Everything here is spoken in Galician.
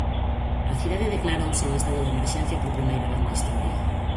A cidade declarouse en estado de emerxencia por primeira vez na historia.